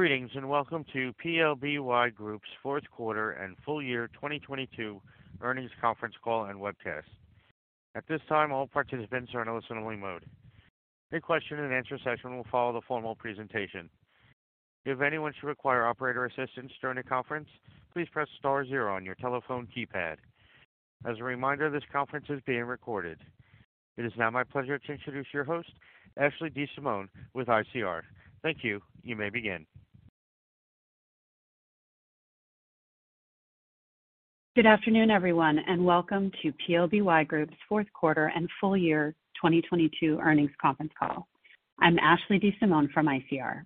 Greetings, and welcome to PLBY Group's fourth quarter and full year 2022 earnings conference call and webcast. At this time, all participants are in listen-only mode. A question and answer session will follow the formal presentation. If anyone should require operator assistance during the conference, please press star zero on your telephone keypad. As a reminder, this conference is being recorded. It is now my pleasure to introduce your host, Ashley DeSimone with ICR. Thank you. You may begin. Good afternoon, everyone, welcome to PLBY Group's fourth quarter and full year 2022 earnings conference call. I'm Ashley DeSimone from ICR.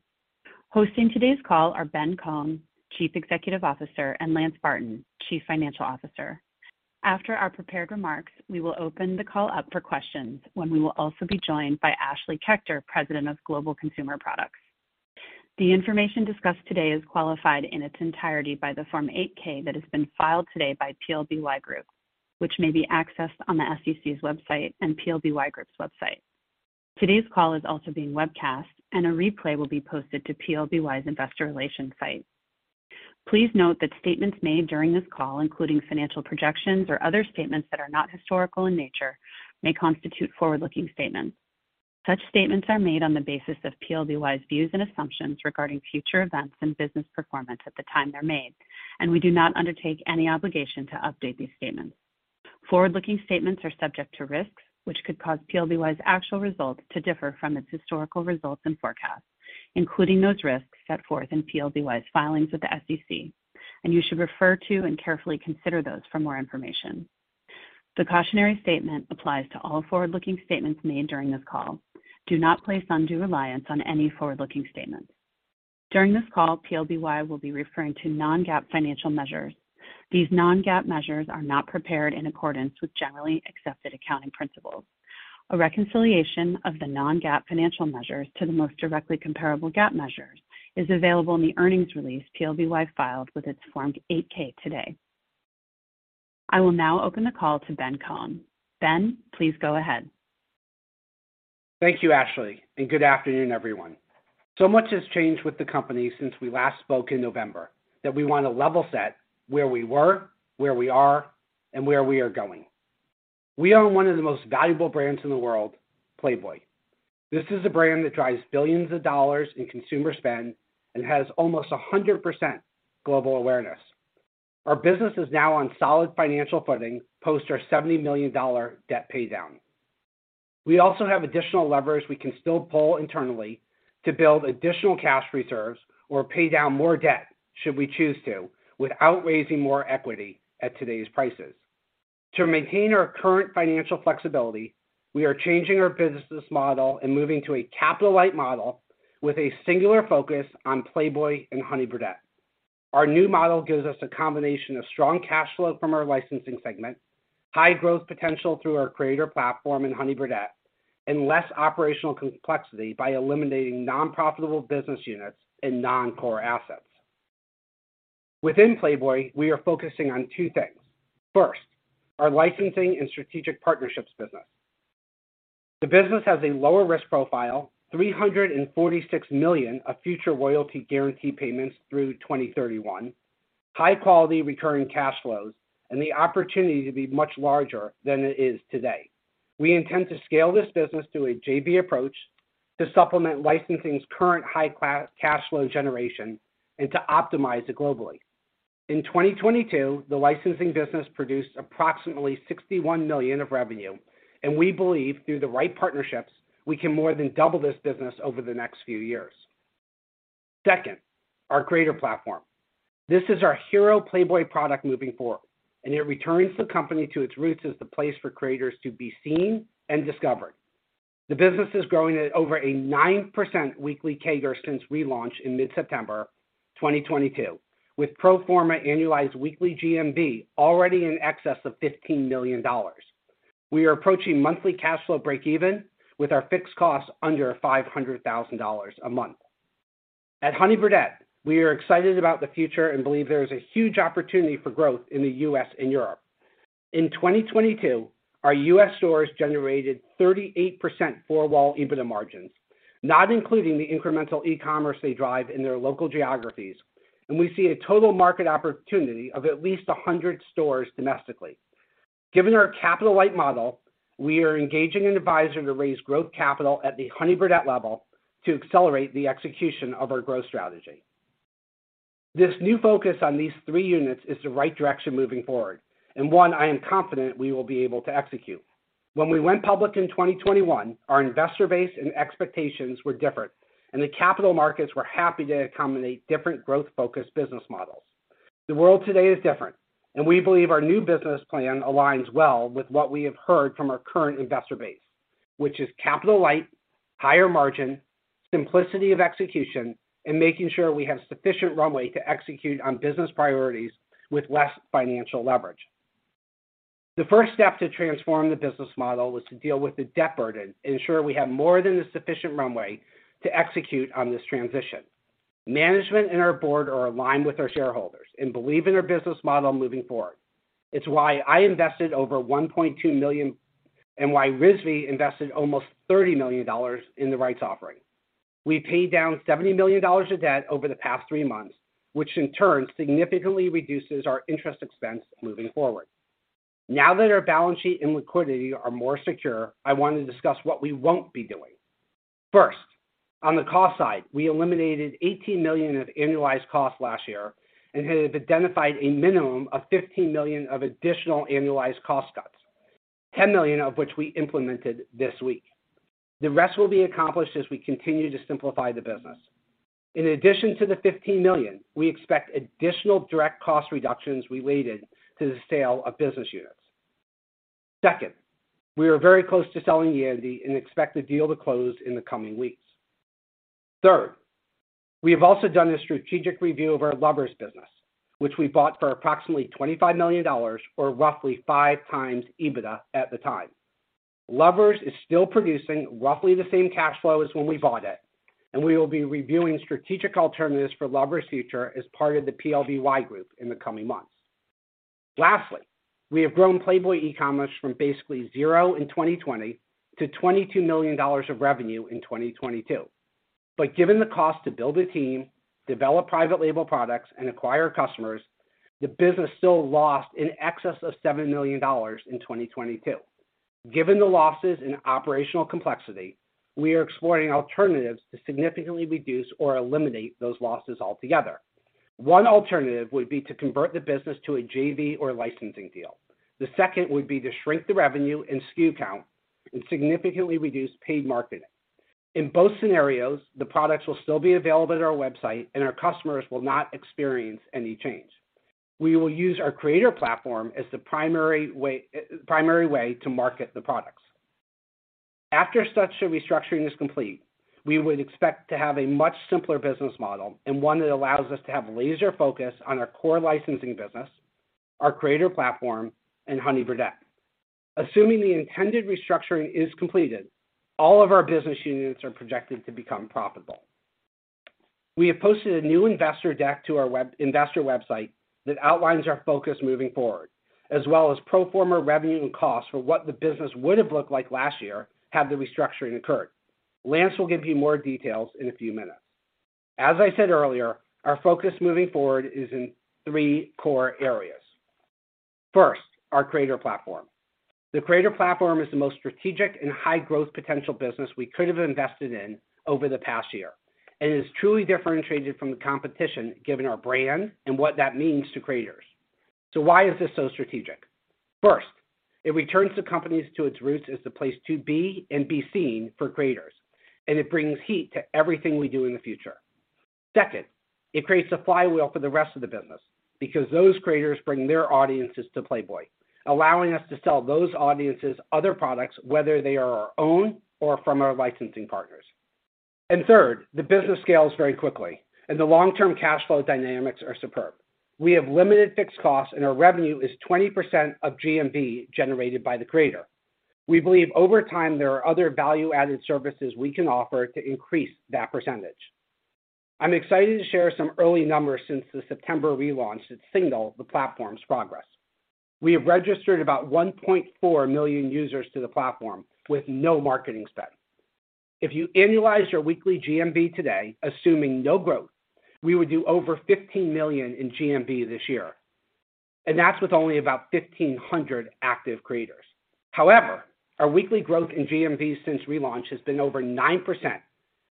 Hosting today's call are Ben Kohn, Chief Executive Officer, and Lance Barton, Chief Financial Officer. After our prepared remarks, we will open the call up for questions when we will also be joined by Ashley Kechter, President, Global Consumer Products. The information discussed today is qualified in its entirety by the Form 8-K that has been filed today by PLBY Group, which may be accessed on the SEC's website and PLBY Group's website. Today's call is also being webcast, and a replay will be posted to PLBY's investor relations site. Please note that statements made during this call, including financial projections or other statements that are not historical in nature, may constitute forward-looking statements. Such statements are made on the basis of PLBY's views and assumptions regarding future events and business performance at the time they're made. We do not undertake any obligation to update these statements. Forward-looking statements are subject to risks which could cause PLBY's actual results to differ from its historical results and forecasts, including those risks set forth in PLBY's filings with the SEC. You should refer to and carefully consider those for more information. The cautionary statement applies to all forward-looking statements made during this call. Do not place undue reliance on any forward-looking statements. During this call, PLBY will be referring to non-GAAP financial measures. These non-GAAP measures are not prepared in accordance with generally accepted accounting principles. A reconciliation of the non-GAAP financial measures to the most directly comparable GAAP measures is available in the earnings release PLBY filed with its Form 8-K today. I will now open the call to Ben Kohn. Ben, please go ahead. Thank you, Ashley. Good afternoon, everyone. Much has changed with the company since we last spoke in November that we want to level set where we were, where we are, and where we are going. We own one of the most valuable brands in the world, Playboy. This is a brand that drives billions of dollars in consumer spend and has almost 100% global awareness. Our business is now on solid financial footing post our $70 million debt paydown. We also have additional levers we can still pull internally to build additional cash reserves or pay down more debt should we choose to, without raising more equity at today's prices. To maintain our current financial flexibility, we are changing our businesses model and moving to a capital-light model with a singular focus on Playboy and Honey Birdette. Our new model gives us a combination of strong cash flow from our licensing segment, high growth potential through our creator platform and Honey Birdette, and less operational complexity by eliminating non-profitable business units and non-core assets. Within Playboy, we are focusing on two things. First, our licensing and strategic partnerships business. The business has a lower risk profile, $346 million of future royalty guarantee payments through 2031, high quality recurring cash flows, and the opportunity to be much larger than it is today. We intend to scale this business through a JV approach to supplement licensing's current cash flow generation and to optimize it globally. In 2022, the licensing business produced approximately $61 million of revenue. We believe through the right partnerships, we can more than double this business over the next few years. Second, our creator platform. This is our hero Playboy product moving forward. It returns the company to its roots as the place for creators to be seen and discovered. The business is growing at over a 9% weekly CAGR since relaunch in mid-September 2022, with pro forma annualized weekly GMV already in excess of $15 million. We are approaching monthly cash flow break even with our fixed costs under $500,000 a month. At Honey Birdette, we are excited about the future and believe there is a huge opportunity for growth in the U.S. and Europe. In 2022, our U.S. stores generated 38% four-wall EBITDA margins, not including the incremental e-commerce they drive in their local geographies. We see a total market opportunity of at least 100 stores domestically. Given our capital light model, we are engaging an advisor to raise growth capital at the Honey Birdette level to accelerate the execution of our growth strategy. This new focus on these three units is the right direction moving forward and one I am confident we will be able to execute. When we went public in 2021, our investor base and expectations were different, and the capital markets were happy to accommodate different growth-focused business models. The world today is different, and we believe our new business plan aligns well with what we have heard from our current investor base, which is capital light, higher margin, simplicity of execution, and making sure we have sufficient runway to execute on business priorities with less financial leverage. The first step to transform the business model was to deal with the debt burden and ensure we have more than a sufficient runway to execute on this transition. Management and our board are aligned with our shareholders and believe in our business model moving forward. It's why I invested over $1.2 million. Why Rizvi invested almost $30 million in the rights offering. We paid down $70 million of debt over the past three months, which in turn significantly reduces our interest expense moving forward. Now that our balance sheet and liquidity are more secure, I want to discuss what we won't be doing. First, on the cost side, we eliminated $18 million of annualized costs last year and have identified a minimum of $15 million of additional annualized cost cuts, $10 million of which we implemented this week. The rest will be accomplished as we continue to simplify the business. In addition to the $15 million, we expect additional direct cost reductions related to the sale of business units. Second, we are very close to selling Yandy and expect the deal to close in the coming weeks. Third, we have also done a strategic review of our Lovers business, which we bought for approximately $25 million or roughly 5x EBITDA at the time. Lovers is still producing roughly the same cash flow as when we bought it, and we will be reviewing strategic alternatives for Lovers' future as part of the PLBY Group in the coming months. Lastly, we have grown Playboy e-commerce from basically 0 in 2020 to $22 million of revenue in 2022. Given the cost to build a team, develop private label products, and acquire customers, the business still lost in excess of $7 million in 2022. Given the losses in operational complexity, we are exploring alternatives to significantly reduce or eliminate those losses altogether. One alternative would be to convert the business to a JV or licensing deal. The second would be to shrink the revenue and SKU count and significantly reduce paid marketing. In both scenarios, the products will still be available at our website, and our customers will not experience any change. We will use our creator platform as the primary way to market the products. After such a restructuring is complete, we would expect to have a much simpler business model and one that allows us to have laser focus on our core licensing business, our creator platform, and Honey Birdette. Assuming the intended restructuring is completed, all of our business units are projected to become profitable. We have posted a new investor deck to our investor website that outlines our focus moving forward, as well as pro forma revenue and costs for what the business would have looked like last year had the restructuring occurred. Lance will give you more details in a few minutes. As I said earlier, our focus moving forward is in three core areas. First, our creator platform. The creator platform is the most strategic and high growth potential business we could have invested in over the past year, and is truly differentiated from the competition given our brand and what that means to creators. Why is this so strategic? First, it returns the companies to its roots as the place to be and be seen for creators. It brings heat to everything we do in the future. Second, it creates a flywheel for the rest of the business because those creators bring their audiences to Playboy, allowing us to sell those audiences other products, whether they are our own or from our licensing partners. Third, the business scales very quickly, and the long-term cash flow dynamics are superb. We have limited fixed costs, and our revenue is 20% of GMV generated by the creator. We believe over time there are other value-added services we can offer to increase that percentage. I'm excited to share some early numbers since the September relaunch that signal the platform's progress. We have registered about 1.4 million users to the platform with no marketing spend. If you annualize your weekly GMV today, assuming no growth, we would do over $15 million in GMV this year. That's with only about 1,500 active creators. However, our weekly growth in GMV since relaunch has been over 9%,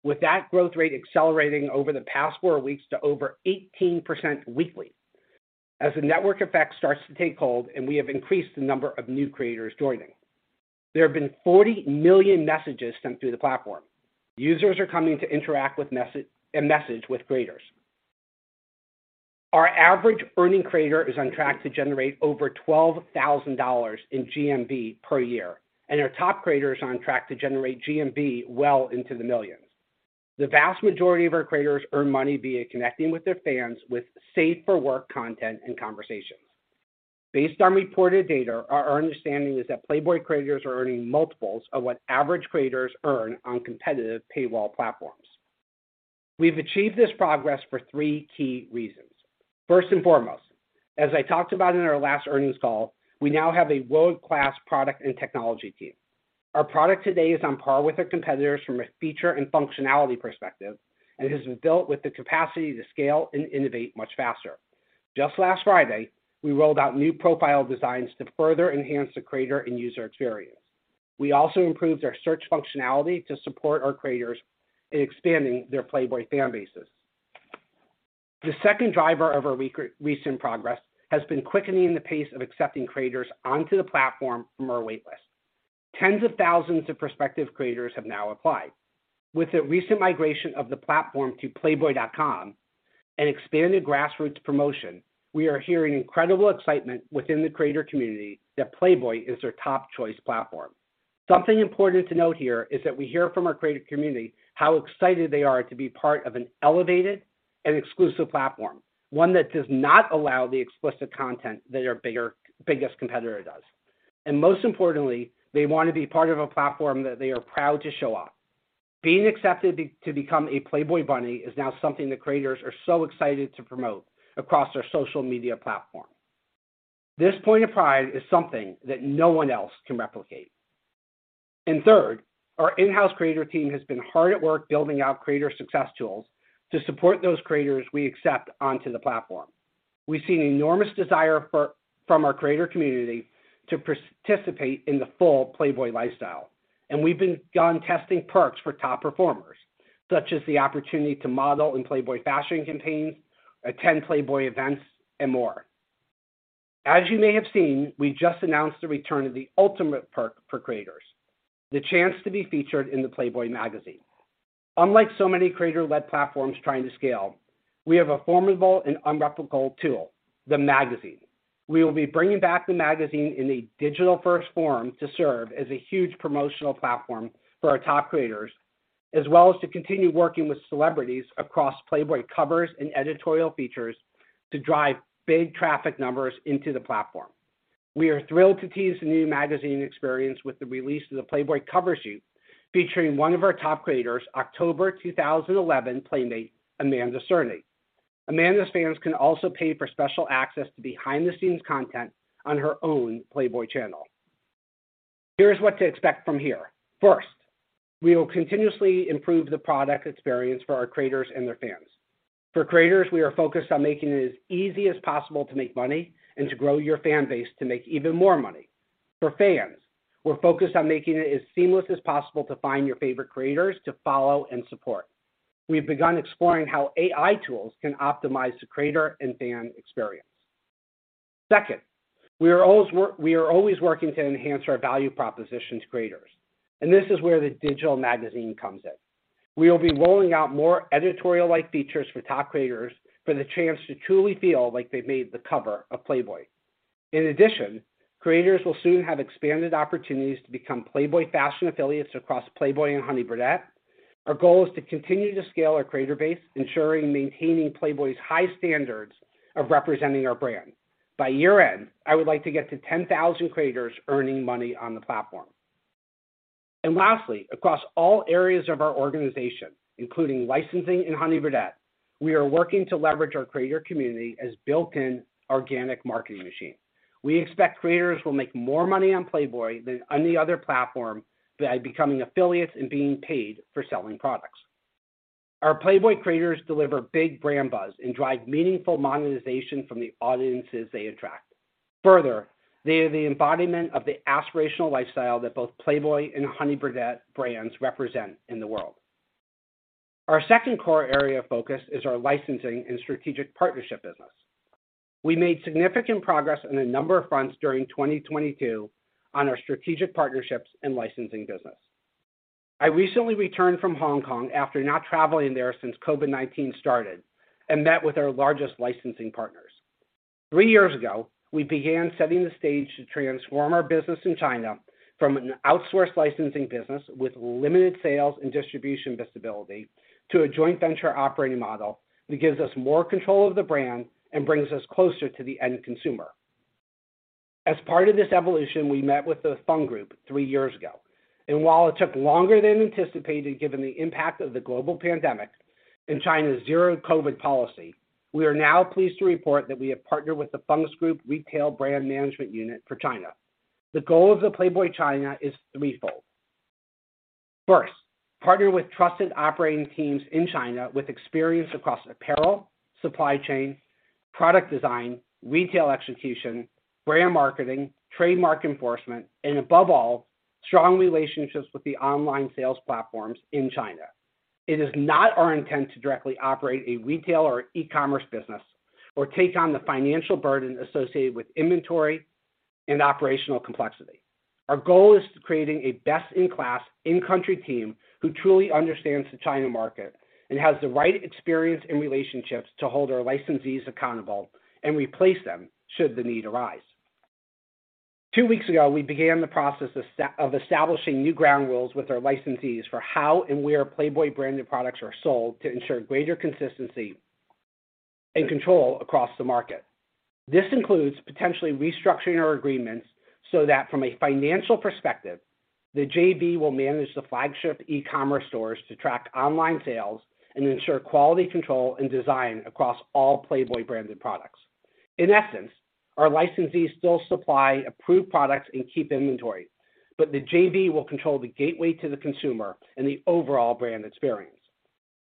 with that growth rate accelerating over the past four weeks to over 18% weekly as the network effect starts to take hold and we have increased the number of new creators joining. There have been 40 million messages sent through the platform. Users are coming to interact and message with creators. Our average earning creator is on track to generate over $12,000 in GMV per year, our top creator is on track to generate GMV well into the millions. The vast majority of our creators earn money via connecting with their fans with safe for work content and conversations. Based on reported data, our understanding is that Playboy creators are earning multiples of what average creators earn on competitive paywall platforms. We've achieved this progress for three key reasons. First and foremost, as I talked about in our last earnings call, we now have a world-class product and technology team. Our product today is on par with our competitors from a feature and functionality perspective, and has been built with the capacity to scale and innovate much faster. Just last Friday, we rolled out new profile designs to further enhance the creator and user experience. We also improved our search functionality to support our creators in expanding their Playboy fan bases. The second driver of our recent progress has been quickening the pace of accepting creators onto the platform from our waitlist. Tens of thousands of prospective creators have now applied. With the recent migration of the platform to playboy.com and expanded grassroots promotion, we are hearing incredible excitement within the creator community that Playboy is their top choice platform. Something important to note here is that we hear from our creator community how excited they are to be part of an elevated and exclusive platform, one that does not allow the explicit content that our biggest competitor does. Most importantly, they want to be part of a platform that they are proud to show off. Being accepted to become a Playboy bunny is now something the creators are so excited to promote across their social media platform. This point of pride is something that no one else can replicate. Third, our in-house creator team has been hard at work building out creator success tools to support those creators we accept onto the platform. We've seen enormous desire from our creator community to participate in the full Playboy lifestyle, and we've been gone testing perks for top performers, such as the opportunity to model in Playboy fashion campaigns, attend Playboy events, and more. As you may have seen, we just announced the return of the ultimate perk for creators, the chance to be featured in the Playboy magazine. Unlike so many creator-led platforms trying to scale, we have a formidable and unreplicable tool, the magazine. We will be bringing back the magazine in a digital-first form to serve as a huge promotional platform for our top creators, as well as to continue working with celebrities across Playboy covers and editorial features to drive big traffic numbers into the platform. We are thrilled to tease the new magazine experience with the release of the Playboy cover shoot featuring one of our top creators, October 2011 Playmate, Amanda Cerny. Amanda's fans can also pay for special access to behind-the-scenes content on her own Playboy channel. Here's what to expect from here. We will continuously improve the product experience for our creators and their fans. For creators, we are focused on making it as easy as possible to make money and to grow your fan base to make even more money. For fans, we're focused on making it as seamless as possible to find your favorite creators to follow and support. We've begun exploring how AI tools can optimize the creator and fan experience. Second, we are always working to enhance our value proposition to creators. This is where the digital magazine comes in. We will be rolling out more editorial-like features for top creators for the chance to truly feel like they've made the cover of Playboy. In addition, creators will soon have expanded opportunities to become Playboy fashion affiliates across Playboy and Honey Birdette. Our goal is to continue to scale our creator base, ensuring maintaining Playboy's high standards of representing our brand. By year-end, I would like to get to 10,000 creators earning money on the platform. Lastly, across all areas of our organization, including licensing in Honey Birdette, we are working to leverage our creator community as built-in organic marketing machine. We expect creators will make more money on Playboy than any other platform by becoming affiliates and being paid for selling products. Our Playboy creators deliver big brand buzz and drive meaningful monetization from the audiences they attract. They are the embodiment of the aspirational lifestyle that both Playboy and Honey Birdette brands represent in the world. Our second core area of focus is our licensing and strategic partnership business. We made significant progress on a number of fronts during 2022 on our strategic partnerships and licensing business. I recently returned from Hong Kong after not traveling there since COVID-19 started and met with our largest licensing partners. Three years ago, we began setting the stage to transform our business in China from an outsourced licensing business with limited sales and distribution visibility to a joint venture operating model that gives us more control of the brand and brings us closer to the end consumer. As part of this evolution, we met with the Fung Group three years ago, and while it took longer than anticipated, given the impact of the global pandemic and China's zero COVID policy, we are now pleased to report that we have partnered with the Fung Group Retail Brand Management Unit for China. The goal of Playboy China is threefold. First, partner with trusted operating teams in China with experience across apparel, supply chain, product design, retail execution, brand marketing, trademark enforcement, and above all, strong relationships with the online sales platforms in China. It is not our intent to directly operate a retail or e-commerce business or take on the financial burden associated with inventory and operational complexity. Our goal is to creating a best-in-class in-country team who truly understands the China market and has the right experience and relationships to hold our licensees accountable and replace them should the need arise. Two weeks ago, we began the process of establishing new ground rules with our licensees for how and where Playboy branded products are sold to ensure greater consistency and control across the market. This includes potentially restructuring our agreements so that from a financial perspective, the JV will manage the flagship e-commerce stores to track online sales and ensure quality control and design across all Playboy branded products. In essence, our licensees still supply approved products and keep inventory, the JV will control the gateway to the consumer and the overall brand experience.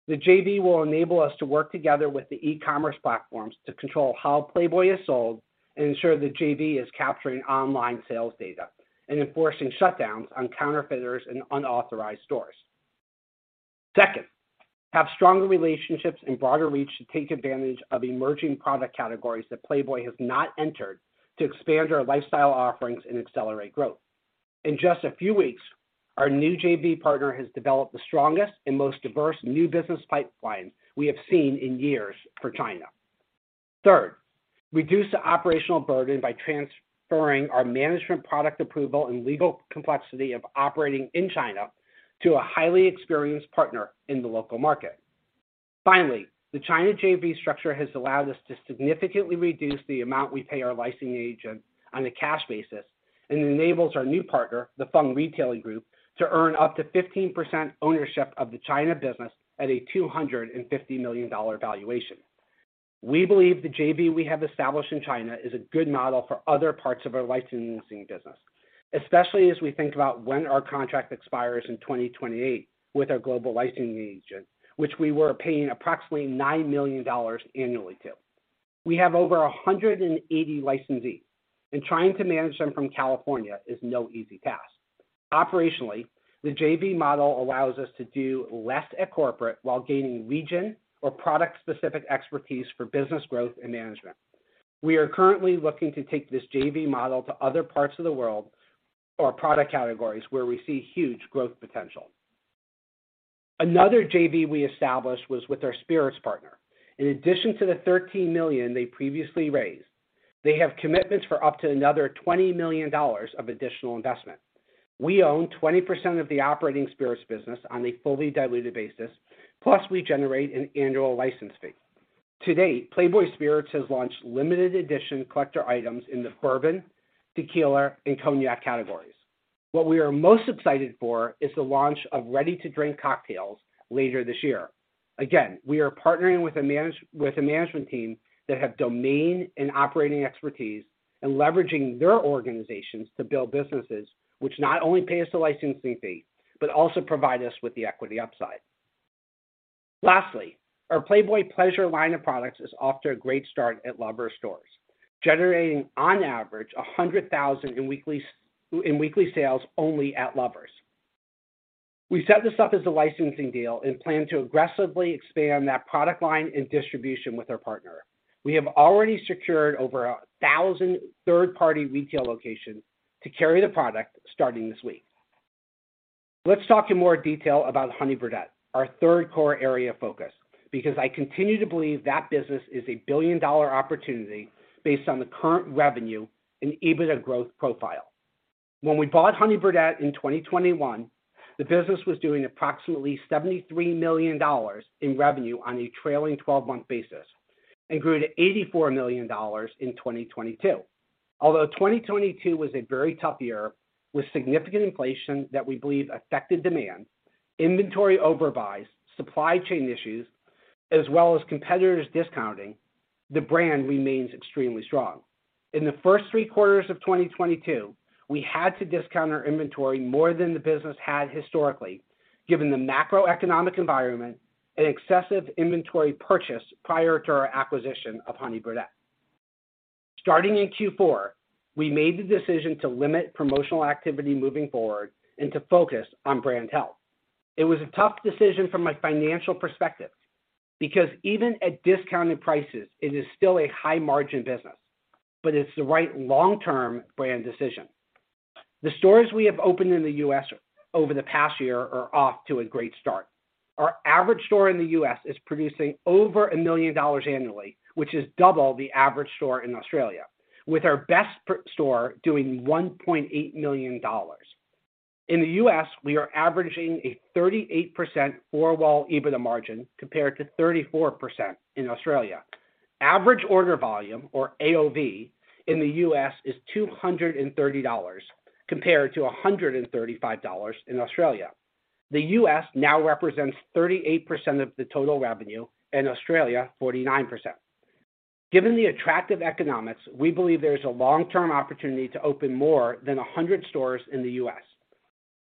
The JV will enable us to work together with the e-commerce platforms to control how Playboy is sold and ensure the JV is capturing online sales data and enforcing shutdowns on counterfeiters and unauthorized stores. Second, have stronger relationships and broader reach to take advantage of emerging product categories that Playboy has not entered to expand our lifestyle offerings and accelerate growth. In just a few weeks, our new JV partner has developed the strongest and most diverse new business pipeline we have seen in years for China. Third, reduce the operational burden by transferring our management product approval and legal complexity of operating in China to a highly experienced partner in the local market. Finally, the China JV structure has allowed us to significantly reduce the amount we pay our licensing agent on a cash basis, and enables our new partner, the Fung Retailing Limited, to earn up to 15% ownership of the China business at a $250 million valuation. We believe the JV we have established in China is a good model for other parts of our licensing business, especially as we think about when our contract expires in 2028 with our global licensing agent, which we were paying approximately $9 million annually to. We have over 180 licensees, and trying to manage them from California is no easy task. Operationally, the JV model allows us to do less at corporate while gaining region or product-specific expertise for business growth and management. We are currently looking to take this JV model to other parts of the world or product categories where we see huge growth potential. Another JV we established was with our spirits partner. In addition to the $13 million they previously raised, they have commitments for up to another $20 million of additional investment. We own 20% of the operating spirits business on a fully diluted basis, plus we generate an annual license fee. To date, Playboy Spirits has launched limited edition collector items in the bourbon, tequila, and cognac categories. What we are most excited for is the launch of ready-to-drink cocktails later this year. Again, we are partnering with a management team that have domain and operating expertise and leveraging their organizations to build businesses which not only pay us a licensing fee, but also provide us with the equity upside. Lastly, our Playboy Pleasure line of products is off to a great start at Lovers stores, generating on average $100,000 in weekly sales only at Lovers. We set this up as a licensing deal and plan to aggressively expand that product line and distribution with our partner. We have already secured over 1,000 third-party retail locations to carry the product starting this week. Let's talk in more detail about Honey Birdette, our third core area of focus, because I continue to believe that business is a billion-dollar opportunity based on the current revenue and EBITDA growth profile. When we bought Honey Birdette in 2021, the business was doing approximately $73 million in revenue on a trailing twelve-month basis and grew to $84 million in 2022. Although, 2022 was a very tough year with significant inflation that we believe affected demand, inventory overbuys, supply chain issues, as well as competitors discounting, the brand remains extremely strong. In the first three quarters of 2022, we had to discount our inventory more than the business had historically, given the macroeconomic environment and excessive inventory purchase prior to our acquisition of Honey Birdette. Starting in Q4, we made the decision to limit promotional activity moving forward and to focus on brand health. It was a tough decision from a financial perspective because even at discounted prices, it is still a high margin business, but it's the right long-term brand decision. The stores we have opened in the U.S. over the past year are off to a great start. Our average store in the U.S. is producing over $1 million annually, which is double the average store in Australia, with our best store doing $1.8 million. In the U.S., we are averaging a 38% four-wall EBITDA margin compared to 34% in Australia. Average order volume or AOV in the U.S. is $230 compared to $135 in Australia. The U.S. now represents 38% of the total revenue, and Australia 49%. Given the attractive economics, we believe there is a long-term opportunity to open more than 100 stores in the U.S.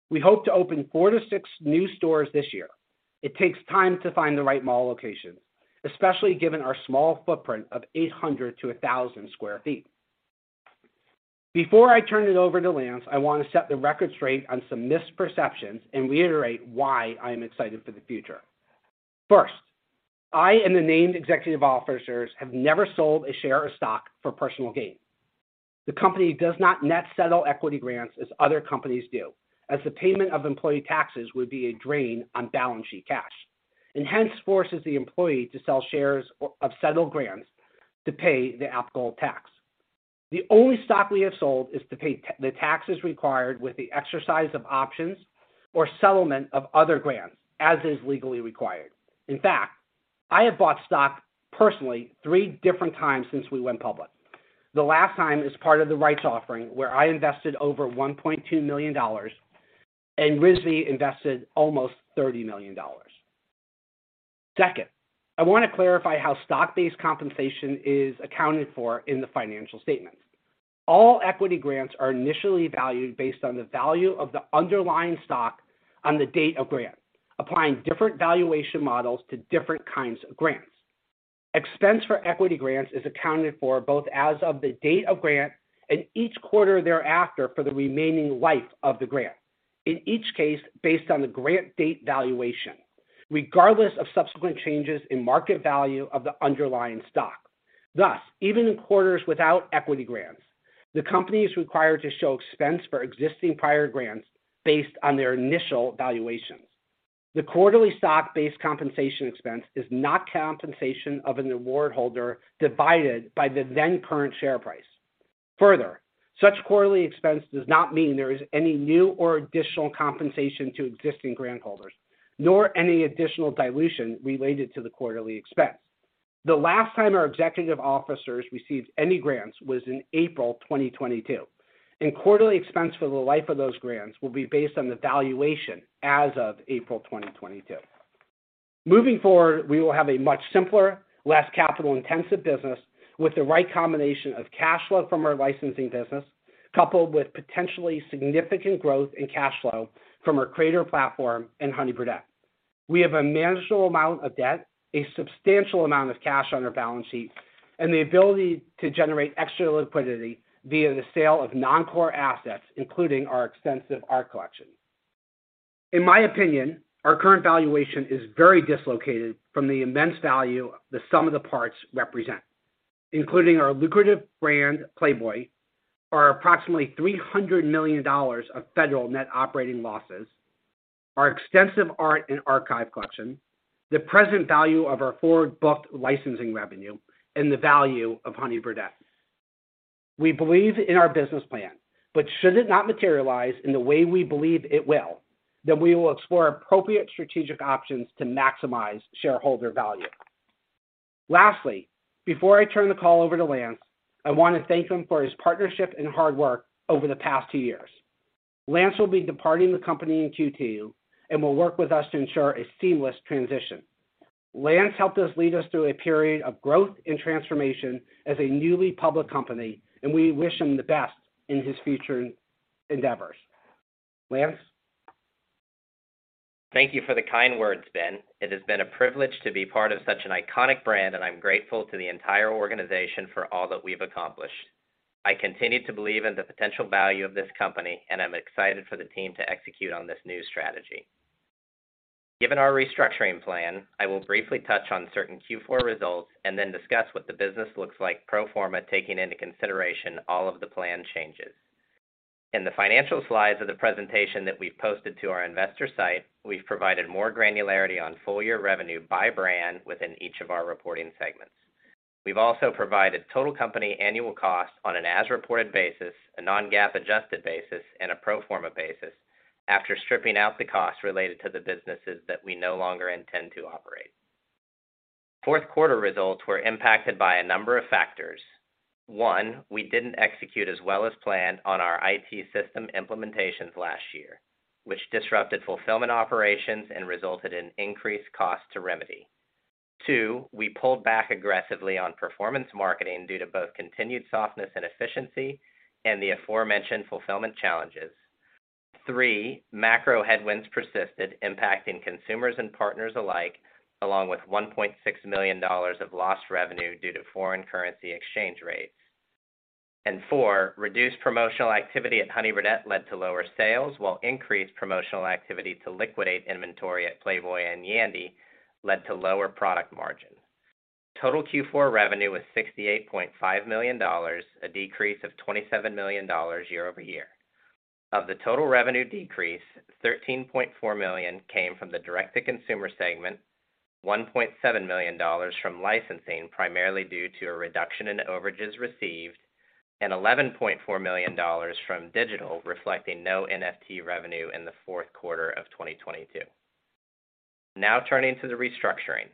We hope to open four to six new stores this year. It takes time to find the right mall locations, especially given our small footprint of 800 to 1,000 sq ft. Before I turn it over to Lance, I want to set the record straight on some misperceptions and reiterate why I am excited for the future. First, I and the named executive officers have never sold a share of stock for personal gain. The company does not net settle equity grants as other companies do, as the payment of employee taxes would be a drain on balance sheet cash. Hence forces the employee to sell shares of settled grants to pay the applicable tax. The only stock we have sold is to pay the taxes required with the exercise of options or settlement of other grants, as is legally required. In fact, I have bought stock personally three different times since we went public. The last time as part of the rights offering where I invested over $1.2 million and Rizvi invested almost $30 million. Second, I want to clarify how stock-based compensation is accounted for in the financial statements. All equity grants are initially valued based on the value of the underlying stock on the date of grant, applying different valuation models to different kinds of grants. Expense for equity grants is accounted for both as of the date of grant and each quarter thereafter for the remaining life of the grant, in each case based on the grant date valuation, regardless of subsequent changes in market value of the underlying stock. Even in quarters without equity grants, the company is required to show expense for existing prior grants based on their initial valuations. The quarterly stock-based compensation expense is not compensation of an award holder divided by the then current share price. Further, such quarterly expense does not mean there is any new or additional compensation to existing grant holders, nor any additional dilution related to the quarterly expense. The last time our executive officers received any grants was in April 2022, and quarterly expense for the life of those grants will be based on the valuation as of April 2022. Moving forward, we will have a much simpler, less capital-intensive business with the right combination of cash flow from our licensing business, coupled with potentially significant growth in cash flow from our creator platform and Honey Birdette. We have a manageable amount of debt, a substantial amount of cash on our balance sheet, and the ability to generate extra liquidity via the sale of non-core assets, including our extensive art collection. In my opinion, our current valuation is very dislocated from the immense value the sum of the parts represent, including our lucrative brand, Playboy, our approximately $300 million of federal net operating losses, our extensive art and archive collection, the present value of our forward booked licensing revenue, and the value of Honey Birdette. We believe in our business plan, but should it not materialize in the way we believe it will, then we will explore appropriate strategic options to maximize shareholder value. Lastly, before I turn the call over to Lance, I want to thank him for his partnership and hard work over the past two years. Lance will be departing the company in Q2 and will work with us to ensure a seamless transition. Lance helped us lead us through a period of growth and transformation as a newly public company. We wish him the best in his future endeavors. Lance? Thank you for the kind words, Ben. It has been a privilege to be part of such an iconic brand, and I'm grateful to the entire organization for all that we've accomplished. I continue to believe in the potential value of this company, and I'm excited for the team to execute on this new strategy. Given our restructuring plan, I will briefly touch on certain Q4 results and then discuss what the business looks like pro forma, taking into consideration all of the plan changes. In the financial slides of the presentation that we've posted to our investor site, we've provided more granularity on full year revenue by brand within each of our reporting segments. We've also provided total company annual cost on an as-reported basis, a non-GAAP adjusted basis, and a pro forma basis after stripping out the costs related to the businesses that we no longer intend to operate. Fourth quarter results were impacted by a number of factors. One, we didn't execute as well as planned on our IT system implementations last year, which disrupted fulfillment operations and resulted in increased cost to remedy. Two, we pulled back aggressively on performance marketing due to both continued softness and efficiency and the aforementioned fulfillment challenges. Three, macro headwinds persisted, impacting consumers and partners alike, along with $1.6 million of lost revenue due to foreign currency exchange rates. Four, reduced promotional activity at Honey Birdette led to lower sales, while increased promotional activity to liquidate inventory at Playboy and Yandy led to lower product margin. Total Q4 revenue was $68.5 million, a decrease of $27 million year-over-year. Of the total revenue decrease, $13.4 million came from the direct-to-consumer segment, $1.7 million from licensing, primarily due to a reduction in overages received, and $11.4 million from digital, reflecting no NFT revenue in the fourth quarter of 2022. Turning to the restructuring.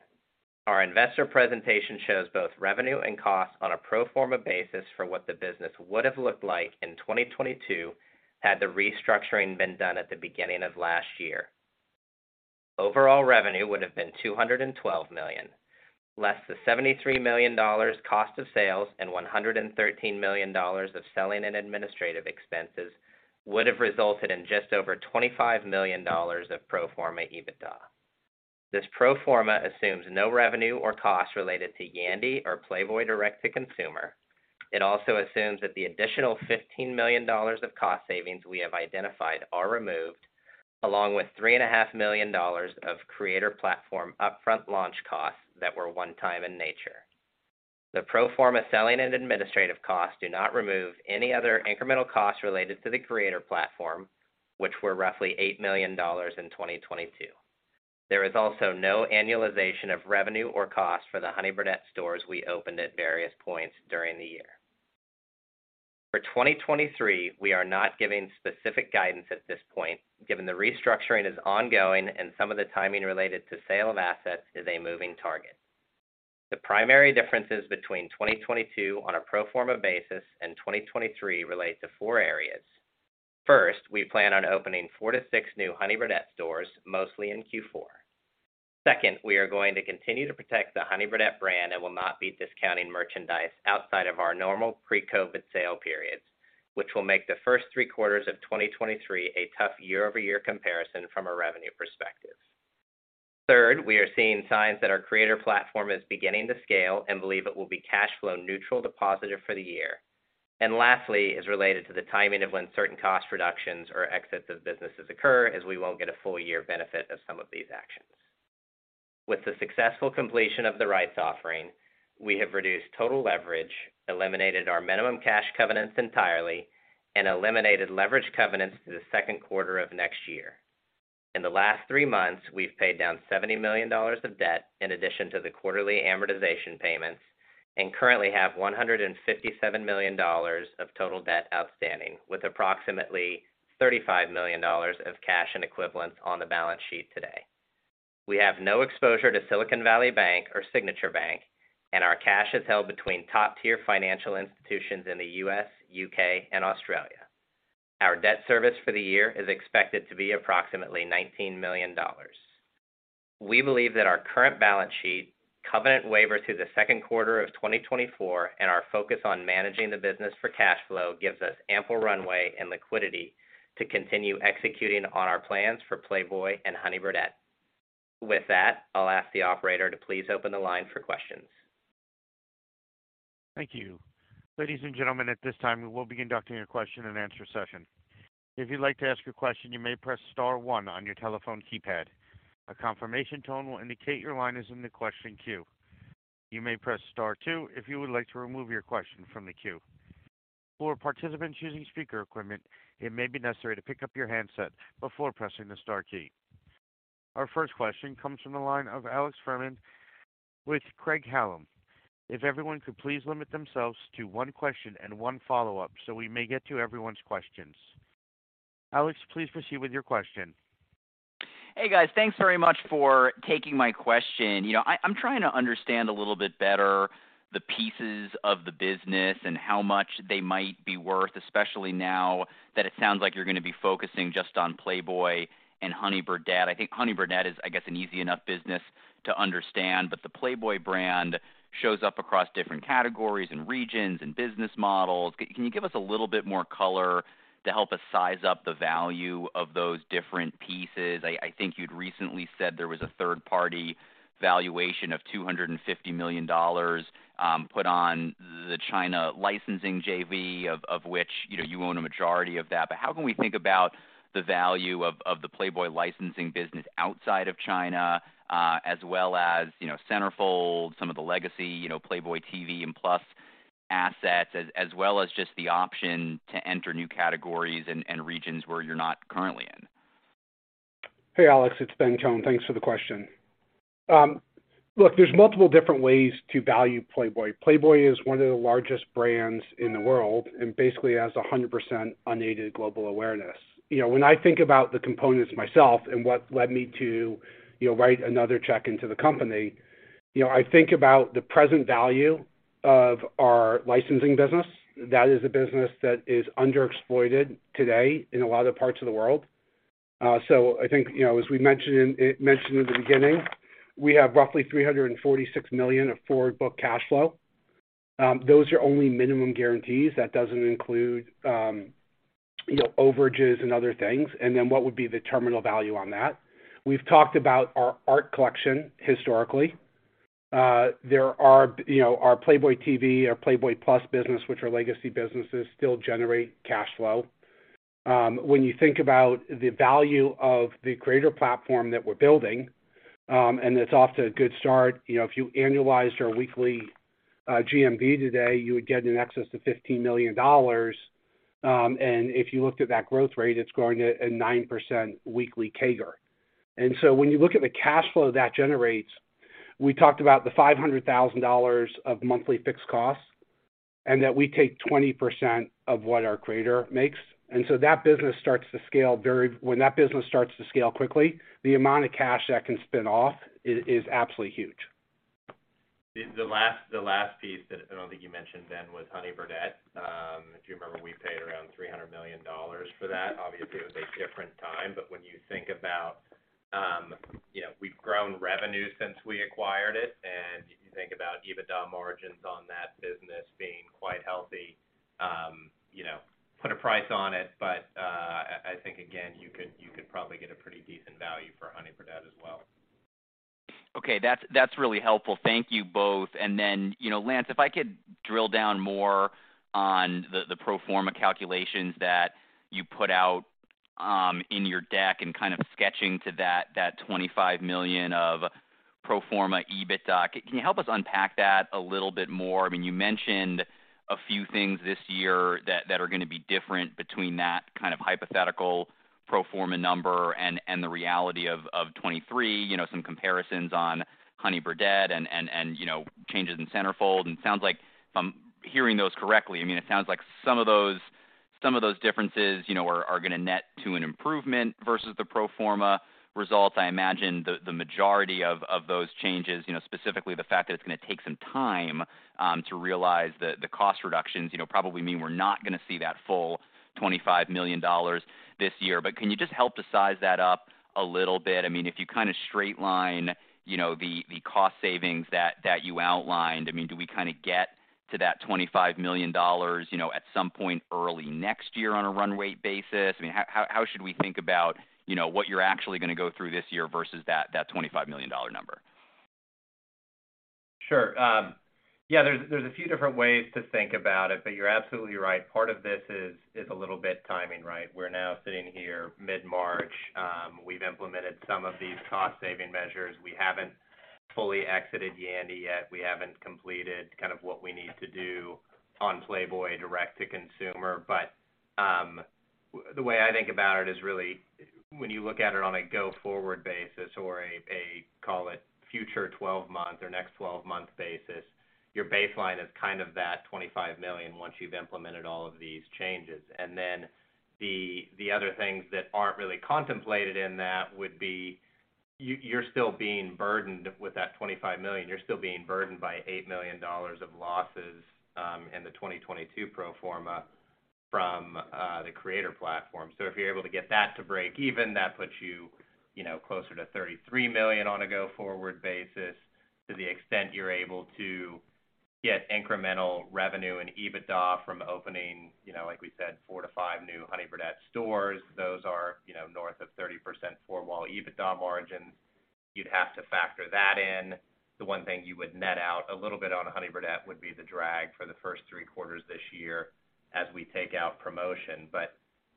Our investor presentation shows both revenue and cost on a pro forma basis for what the business would have looked like in 2022 had the restructuring been done at the beginning of last year. Overall revenue would have been $212 million, less the $73 million cost of sales and $113 million of selling and administrative expenses would have resulted in just over $25 million of pro forma EBITDA. This pro forma assumes no revenue or cost related to Yandy or Playboy Direct-to-Consumer. It also assumes that the additional $15 million of cost savings we have identified are removed, along with $3.5 million of creator platform upfront launch costs that were one-time in nature. The pro forma selling and administrative costs do not remove any other incremental costs related to the creator platform, which were roughly $8 million in 2022. There is also no annualization of revenue or cost for the Honey Birdette stores we opened at various points during the year. For 2023, we are not giving specific guidance at this point, given the restructuring is ongoing and some of the timing related to sale of assets is a moving target. The primary differences between 2022 on a pro forma basis and 2023 relate to four areas. First, we plan on opening four to six new Honey Birdette stores, mostly in Q4. Second, we are going to continue to protect the Honey Birdette brand and will not be discounting merchandise outside of our normal pre-COVID sale periods, which will make the first three quarters of 2023 a tough year-over-year comparison from a revenue perspective. Third, we are seeing signs that our creator platform is beginning to scale and believe it will be cash flow neutral to positive for the year. Lastly is related to the timing of when certain cost reductions or exits of businesses occur, as we won't get a full year benefit of some of these actions. With the successful completion of the rights offering, we have reduced total leverage, eliminated our minimum cash covenants entirely, and eliminated leverage covenants to the second quarter of next year. In the last three months, we've paid down $70 million of debt in addition to the quarterly amortization payments, and currently have $157 million of total debt outstanding, with approximately $35 million of cash and equivalents on the balance sheet today. We have no exposure to Silicon Valley Bank or Signature Bank, and our cash is held between top-tier financial institutions in the U.S., U.K., and Australia. Our debt service for the year is expected to be approximately $19 million. We believe that our current balance sheet, covenant waiver through the second quarter of 2024, and our focus on managing the business for cash flow gives us ample runway and liquidity to continue executing on our plans for Playboy and Honey Birdette. With that, I'll ask the operator to please open the line for questions. Thank you. Ladies and gentlemen, at this time, we will be conducting a question and answer session. If you'd like to ask a question, you may press star one on your telephone keypad. A confirmation tone will indicate your line is in the question queue. You may press star two if you would like to remove your question from the queue. For participants using speaker equipment, it may be necessary to pick up your handset before pressing the star key. Our first question comes from the line of Alex Fuhrman with Craig-Hallum. If everyone could please limit themselves to one question and one follow-up, so we may get to everyone's questions. Alex, please proceed with your question. Hey, guys. Thanks very much for taking my question. You know, I'm trying to understand a little bit better the pieces of the business and how much they might be worth, especially now that it sounds like you're gonna be focusing just on Playboy and Honey Birdette. I think Honey Birdette is, I guess, an easy enough business to understand, but the Playboy brand shows up across different categories and regions and business models. Can you give us a little bit more color to help us size up the value of those different pieces? I think you'd recently said there was a third-party valuation of $250 million put on the China licensing JV of which, you know, you own a majority of that. How can we think about the value of the Playboy licensing business outside of China, as well as, you know, CENTERFOLD, some of the legacy, you know, Playboy TV and Plus assets, as well as just the option to enter new categories and regions where you're not currently in? Hey, Alex, it's Ben Kohn. Thanks for the question. Look, there's multiple different ways to value Playboy. Playboy is one of the largest brands in the world and basically has 100% unaided global awareness. When I think about the components myself and what led me to, you know, write another check into the company, you know, I think about the present value of our licensing business. That is a business that is underexploited today in a lot of parts of the world. So I think, you know, as we mentioned in, mentioned in the beginning, we have roughly $346 million of forward book cash flow. Those are only minimum guarantees. That doesn't include, you know, overages and other things, and then what would be the terminal value on that. We've talked about our art collection historically. There are, you know, our Playboy TV, our Playboy Plus business, which are legacy businesses, still generate cash flow. When you think about the value of the creator platform that we're building, and it's off to a good start. You know, if you annualized our weekly GMV today, you would get in excess of $15 million. If you looked at that growth rate, it's growing at a 9% weekly CAGR. When you look at the cash flow that generates, we talked about the $500,000 of monthly fixed costs, and that we take 20% of what our creator makes. That business starts to scale when that business starts to scale quickly, the amount of cash that can spin off is absolutely huge. The last piece that I don't think you mentioned then was Honey Birdette. If you remember, we paid around $300 million for that. Obviously, it was a different time. When you think about, you know, we've grown revenue since we acquired it, and you think about EBITDA margins on that business being quite healthy, you know, put a price on it. I think again, you could probably get a pretty decent value for Honey Birdette as well. Okay. That's really helpful. Thank you both. You know, Lance, if I could drill down more on the pro forma calculations that you put out in your deck and kind of sketching to that $25 million of pro forma EBITDA. Can you help us unpack that a little bit more? I mean, you mentioned a few things this year that are gonna be different between that kind of hypothetical pro forma number and the reality of 2023. You know, some comparisons on Honey Birdette and, you know, changes in CENTERFOLD. It sounds like if I'm hearing those correctly, I mean, it sounds like some of those differences, you know, are gonna net to an improvement versus the pro forma results. I imagine the majority of those changes, you know, specifically the fact that it's gonna take some time to realize the cost reductions, you know, probably mean we're not gonna see that full $25 million this year. Can you just help to size that up a little bit? I mean, if you kinda straight line, you know, the cost savings that you outlined, I mean, do we kinda get to that $25 million, you know, at some point early next year on a run rate basis? I mean, how should we think about, you know, what you're actually gonna go through this year versus that $25 million number? Sure. There's a few different ways to think about it, but you're absolutely right. Part of this is a little bit timing, right? We're now sitting here mid-March. We've implemented some of these cost saving measures. We haven't fully exited Yandy yet. We haven't completed kind of what we need to do on Playboy Direct-to-Consumer. The way I think about it is really when you look at it on a go-forward basis or a call it future 12-month or next 12-month basis, your baseline is kind of that $25 million once you've implemented all of these changes. The other things that aren't really contemplated in that would be you're still being burdened with that $25 million. You're still being burdened by $8 million of losses in the 2022 pro forma from the creator platform. If you're able to get that to break even, that puts you know, closer to $33 million on a go-forward basis. To the extent you're able to get incremental revenue and EBITDA from opening, you know, like we said, four to five new Honey Birdette stores. Those are, you know, north of 30% four-wall EBITDA margins, you'd have to factor that in. The one thing you would net out a little bit on Honey Birdette would be the drag for the first three quarters this year as we take out promotion.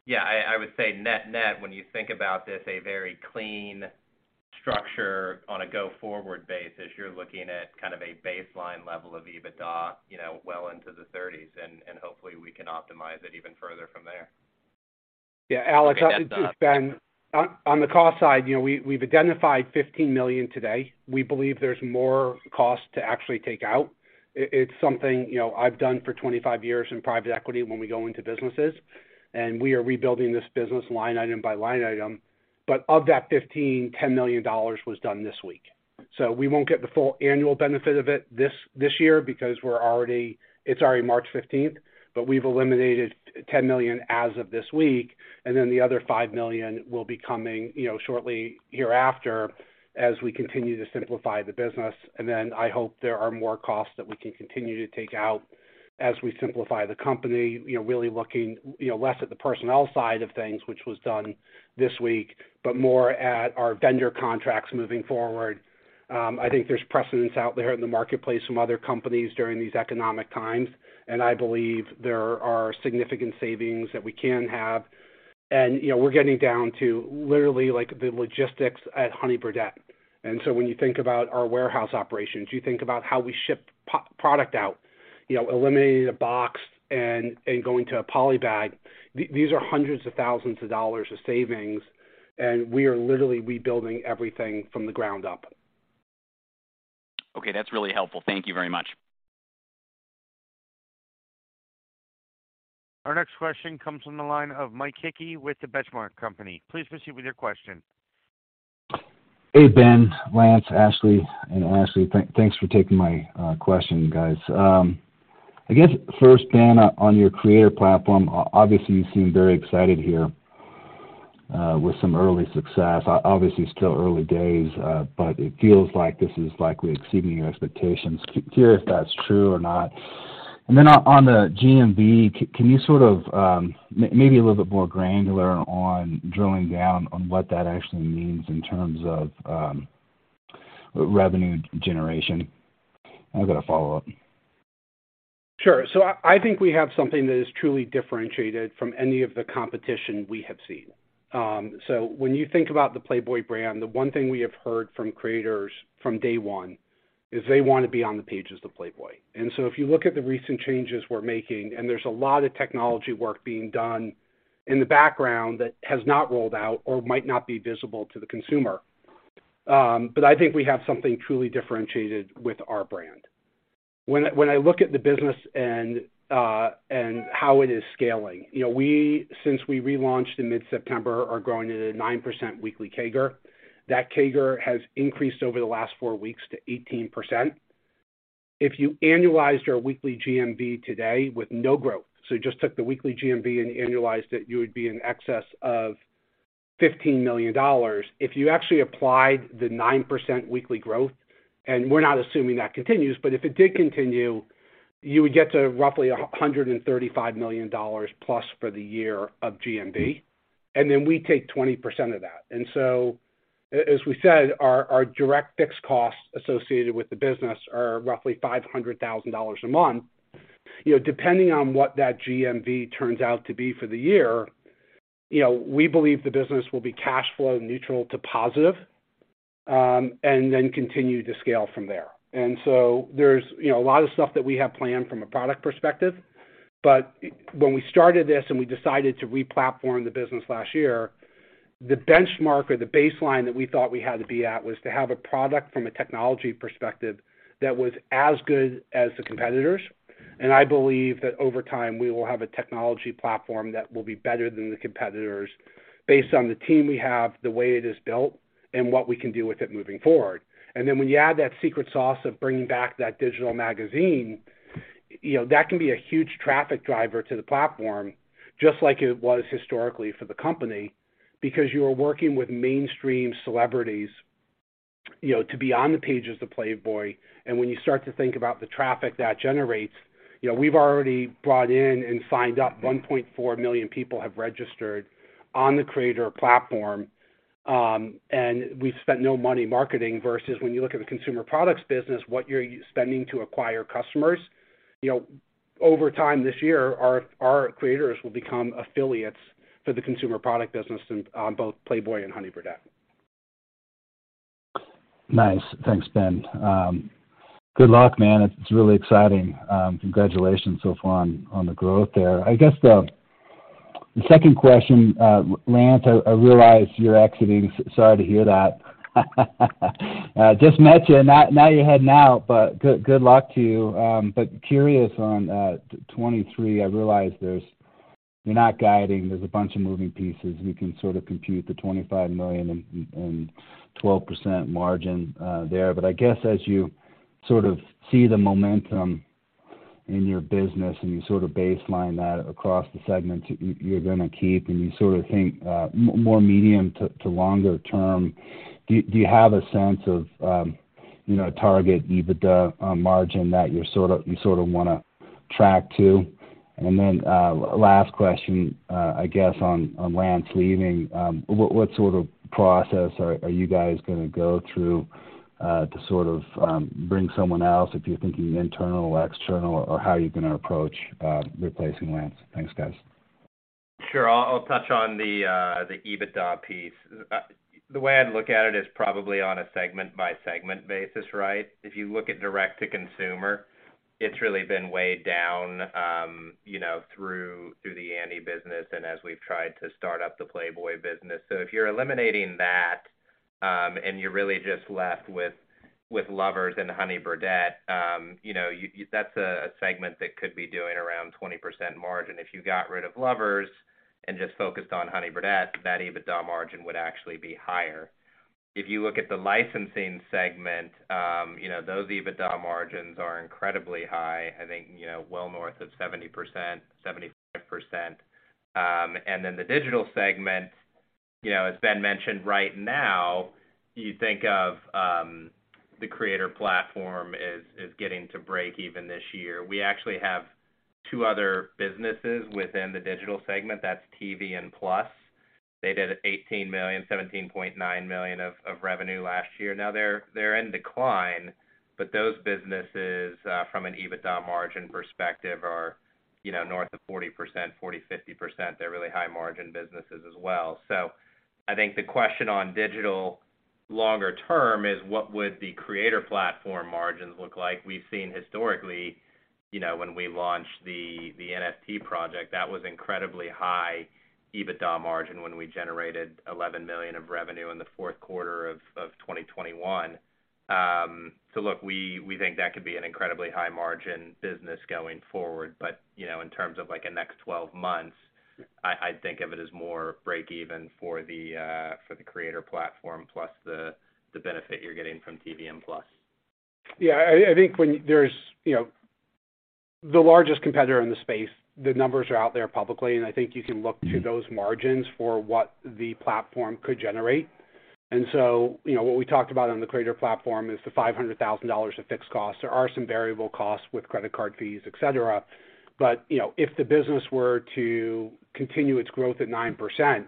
Yeah, I would say net-net, when you think about this, a very clean structure on a go-forward basis, you're looking at kind of a baseline level of EBITDA, you know, well into the thirties, and hopefully we can optimize it even further from there. Yeah. Alex, it's Ben. On the cost side, you know, we've identified $15 million today. We believe there's more cost to actually take out. It's something, you know, I've done for 25 years in private equity when we go into businesses, and we are rebuilding this business line item by line item. Of that $15 million, $10 million was done this week. We won't get the full annual benefit of it this year because it's already March 15th. We've eliminated $10 million as of this week, and then the other $5 million will be coming, you know, shortly hereafter as we continue to simplify the business. I hope there are more costs that we can continue to take out as we simplify the company, you know, really looking, you know, less at the personnel side of things, which was done this week, but more at our vendor contracts moving forward. I think there's precedence out there in the marketplace from other companies during these economic times, I believe there are significant savings that we can have. You know, we're getting down to literally like the logistics at Honey Birdette. When you think about our warehouse operations, you think about how we ship pro-product out, you know, eliminating a box and going to a polybag. These are hundreds of thousands of dollars of savings, and we are literally rebuilding everything from the ground up. Okay. That's really helpful. Thank you very much. Our next question comes from the line of Mike Hickey with The Benchmark Company. Please proceed with your question. Hey, Ben, Lance, Ashley, and Ashley. Thanks for taking my question, guys. I guess first, Ben, on your creator platform, obviously you seem very excited here with some early success. Obviously still early days, but it feels like this is likely exceeding your expectations. Curious if that's true or not. On the GMV, can you sort of, maybe a little bit more granular on drilling down on what that actually means in terms of revenue generation? I've got a follow-up. Sure. I think we have something that is truly differentiated from any of the competition we have seen. When you think about the Playboy brand, the one thing we have heard from creators from day one is they wanna be on the pages of Playboy. If you look at the recent changes we're making, there's a lot of technology work being done in the background that has not rolled out or might not be visible to the consumer, I think we have something truly differentiated with our brand. When I look at the business and how it is scaling, you know, since we relaunched in mid-September, are growing at a 9% weekly CAGR. That CAGR has increased over the last four weeks to 18%. If you annualized our weekly GMV today with no growth, so you just took the weekly GMV and annualized it, you would be in excess of $15 million. If you actually applied the 9% weekly growth, and we're not assuming that continues, but if it did continue, you would get to roughly $135 million plus for the year of GMV. Then we take 20% of that. So as we said, our direct fixed costs associated with the business are roughly $500,000 a month. You know, depending on what that GMV turns out to be for the year, you know, we believe the business will be cash flow neutral to positive, then continue to scale from there. So there's, you know, a lot of stuff that we have planned from a product perspective. When we started this and we decided to replatform the business last year, the benchmark or the baseline that we thought we had to be at was to have a product from a technology perspective that was as good as the competitors. I believe that over time, we will have a technology platform that will be better than the competitors based on the team we have, the way it is built, and what we can do with it moving forward. Then when you add that secret sauce of bringing back that digital magazine, you know, that can be a huge traffic driver to the platform, just like it was historically for the company, because you are working with mainstream celebrities, you know, to be on the pages of Playboy. When you start to think about the traffic that generates, you know, we've already brought in and signed up 1.4 million people have registered on the creator platform, and we've spent no money marketing versus when you look at the consumer products business, what you're spending to acquire customers. You know, over time this year, our creators will become affiliates for the consumer product business on both Playboy and Honey Birdette. Nice. Thanks, Ben. Good luck, man. It's really exciting. Congratulations so far on the growth there. I guess the second question, Lance, I realize you're exiting. Sorry to hear that. Just met you and now you're heading out, but good luck to you. But curious on 2023, I realize you're not guiding. There's a bunch of moving pieces. We can sort of compute the $25 million and 12% margin there. But I guess as you sort of see the momentum in your business and you sort of baseline that across the segments you're gonna keep, and you sort of think more medium to longer term, do you have a sense of, you know, a target EBITDA margin that you sorta wanna track to? Last question, I guess on Lance leaving. What sort of process are you guys gonna go through to sort of bring someone else, if you're thinking internal, external, or how you're gonna approach replacing Lance? Thanks, guys. Sure. I'll touch on the EBITDA piece. The way I'd look at it is probably on a segment-by-segment basis, right? If you look at direct-to-consumer, it's really been weighed down, you know, through the Yandy business and as we've tried to start up the Playboy business. If you're eliminating that, and you're really just left with Lovers and Honey Birdette, you know, that's a segment that could be doing around 20% margin. If you got rid of Lovers and just focused on Honey Birdette, that EBITDA margin would actually be higher. If you look at the licensing segment, you know, those EBITDA margins are incredibly high. I think, you know, well north of 70%, 75%. The digital segment, you know, as Ben mentioned, right now, you think of the creator platform is getting to break even this year. We actually have two other businesses within the digital segment. That's TV and Plus. They did $18 million, $17.9 million of revenue last year. They're in decline, but those businesses, from an EBITDA margin perspective are, you know, north of 40%, 40%, 50%. They're really high margin businesses as well. I think the question on digital longer term is what would the creator platform margins look like. We've seen historically, you know, when we launched the NFT project, that was incredibly high EBITDA margin when we generated $11 million of revenue in the fourth quarter of 2021. Look, we think that could be an incredibly high margin business going forward. You know, in terms of like a next 12 months, I think of it as more break even for the creator platform plus the benefit you're getting from TV and Plus. Yeah. I think there's, you know, the largest competitor in the space, the numbers are out there publicly, and I think you can look to those margins for what the platform could generate. You know, what we talked about on the creator platform is the $500,000 of fixed costs. There are some variable costs with credit card fees, et cetera. You know, if the business were to continue its growth at 9%,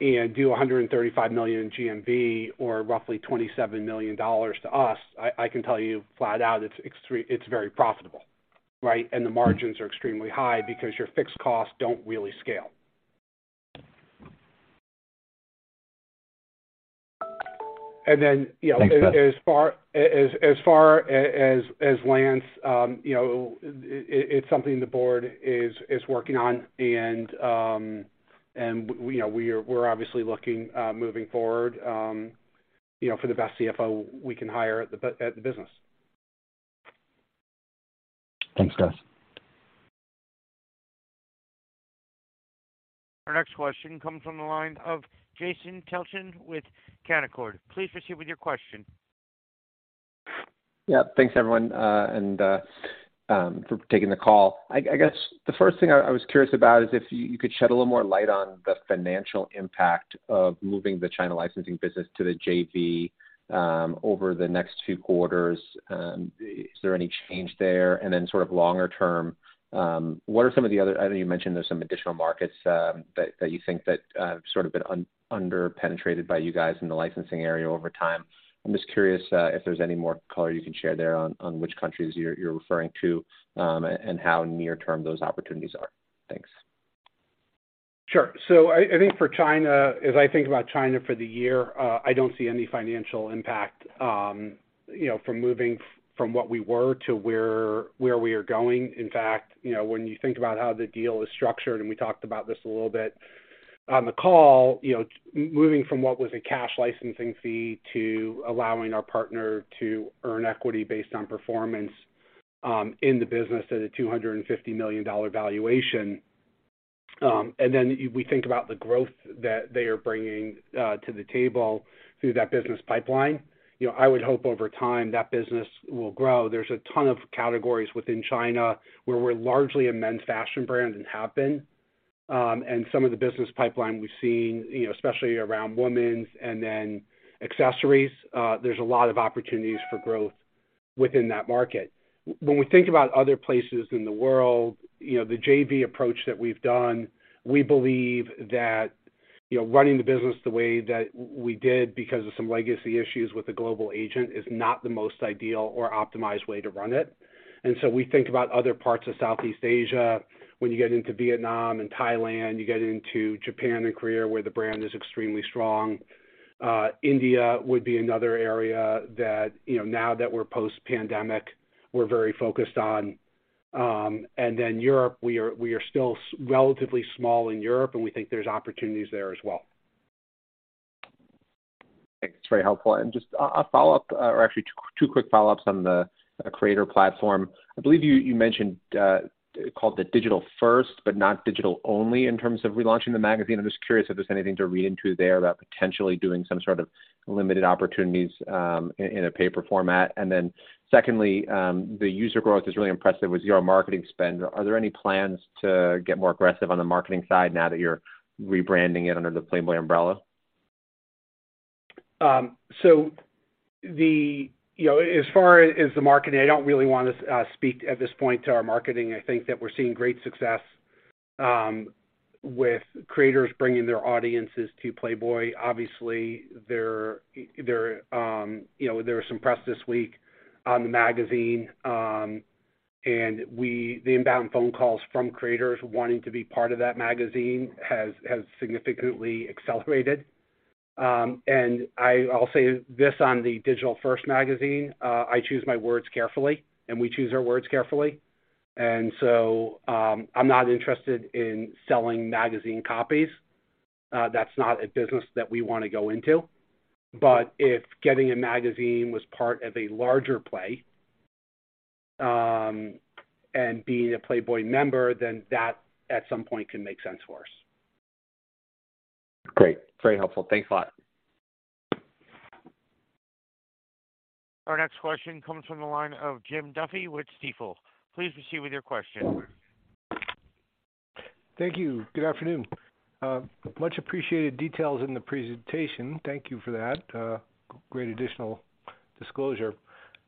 and do $135 million in GMV or roughly $27 million to us, I can tell you flat out, it's very profitable, right? The margins are extremely high because your fixed costs don't really scale. As far as Lance, it's something the board is working on. you know, we're obviously looking, moving forward, you know, for the best CFO we can hire at the business. Thanks, guys. Our next question comes from the line of Jason Tilchen with Canaccord Genuity. Please proceed with your question. Thanks, everyone, for taking the call. I guess the first thing I was curious about is if you could shed a little more light on the financial impact of moving the China licensing business to the JV over the next few quarters. Is there any change there? Sort of longer term, what are some of the other... I know you mentioned there's some additional markets that you think have sort of been under-penetrated by you guys in the licensing area over time. I'm just curious if there's any more color you can share there on which countries you're referring to, and how near-term those opportunities are. Thanks. Sure. I think for China, as I think about China for the year, I don't see any financial impact, you know, from moving from what we were to where we are going. In fact, you know, when you think about how the deal is structured, and we talked about this a little bit on the call, you know, moving from what was a cash licensing fee to allowing our partner to earn equity based on performance in the business at a $250 million valuation. We think about the growth that they are bringing to the table through that business pipeline. You know, I would hope over time that business will grow. There's a ton of categories within China where we're largely a men's fashion brand and have been. Some of the business pipeline we've seen, you know, especially around women's and then accessories, there's a lot of opportunities for growth within that market. When we think about other places in the world, you know, the JV approach that we've done, we believe that, you know, running the business the way that we did because of some legacy issues with the global agent is not the most ideal or optimized way to run it. We think about other parts of Southeast Asia. When you get into Vietnam and Thailand, you get into Japan and Korea, where the brand is extremely strong. India would be another area that, you know, now that we're post-pandemic. We're very focused on. Europe, we are still relatively small in Europe, and we think there's opportunities there as well. Thanks. That's very helpful. Just a follow-up or actually two quick follow-ups on the creator platform. I believe you mentioned called the digital first, but not digital only in terms of relaunching the magazine. I'm just curious if there's anything to read into there about potentially doing some sort of limited opportunities in a paper format. Secondly, the user growth is really impressive with your marketing spend. Are there any plans to get more aggressive on the marketing side now that you're rebranding it under the Playboy umbrella? The, you know, as far as the marketing, I don't really want to speak at this point to our marketing. I think that we're seeing great success with creators bringing their audiences to Playboy. Obviously, there, you know, there was some press this week on the magazine, and the inbound phone calls from creators wanting to be part of that magazine has significantly accelerated. I'll say this on the digital first magazine, I choose my words carefully, and we choose our words carefully. I'm not interested in selling magazine copies, that's not a business that we wanna go into. If getting a magazine was part of a larger play, and being a Playboy member, then that at some point can make sense for us. Great. Very helpful. Thanks a lot. Our next question comes from the line of Jim Duffy with Stifel. Please proceed with your question. Thank you. Good afternoon. Much appreciated details in the presentation. Thank you for that. Great additional disclosure.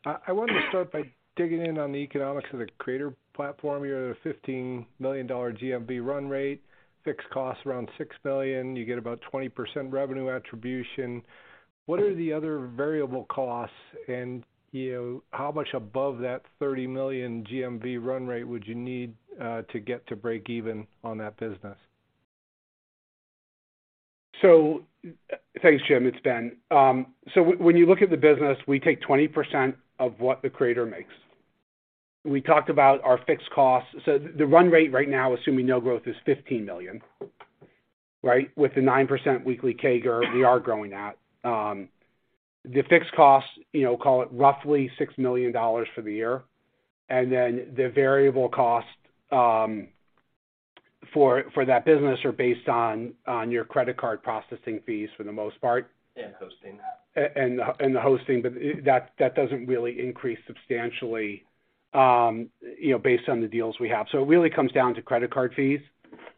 I wanted to start by digging in on the economics of the creator platform. You have a $15 million GMV run rate, fixed cost around $6 million, you get about 20% revenue attribution. What are the other variable costs and, you know, how much above that $30 million GMV run rate would you need to get to break even on that business? Thanks, Jim. It's Ben. When you look at the business, we take 20% of what the creator makes. We talked about our fixed costs. The run rate right now, assuming no growth is $15 million, right? With the 9% weekly CAGR we are growing at. The fixed cost, you know, call it roughly $6 million for the year. The variable cost for that business are based on your credit card processing fees for the most part. Hosting. The hosting. That doesn't really increase substantially, you know, based on the deals we have. It really comes down to credit card fees,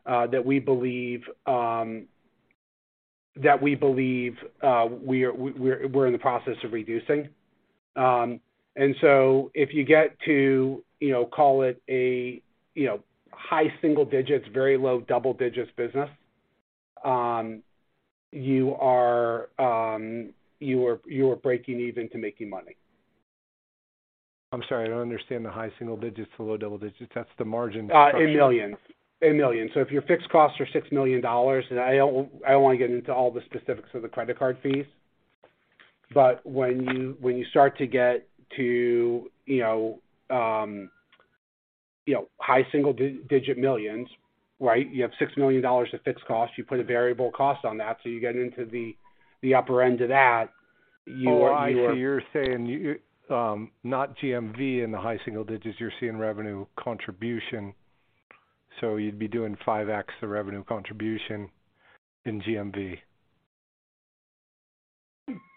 that we believe, that we believe, we're in the process of reducing. If you get to call it a, high single digits, very low double digits business, you are breaking even to making money. I'm sorry. I don't understand the high single digits to low double digits. That's the margin structure. In millions. If your fixed costs are $6 million, and I don't want to get into all the specifics of the credit card fees, but when you start to get to, you know, high single-digit millions, right? You have $6 million of fixed costs. You put a variable cost on that, so you're getting into the upper end of that. I see. You're saying, not GMV in the high single digits, you're seeing revenue contribution, so you'd be doing 5x the revenue contribution in GMV.